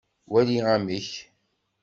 Wali amek.